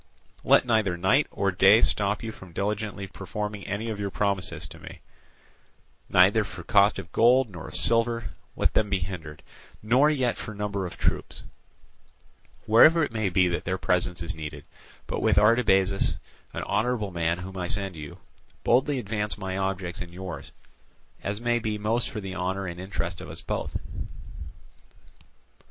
Let neither night nor day stop you from diligently performing any of your promises to me; neither for cost of gold nor of silver let them be hindered, nor yet for number of troops, wherever it may be that their presence is needed; but with Artabazus, an honourable man whom I send you, boldly advance my objects and yours, as may be most for the honour and interest of us both."